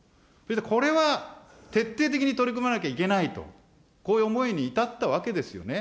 これは徹底的に取り組まなきゃいけないと、こういう思いに至ったわけですよね。